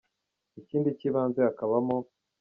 Ikindi cy’ibanze hakabamo.